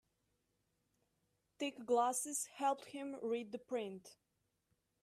Thick glasses helped him read the print.